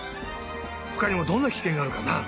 ほかにもどんなキケンがあるかな？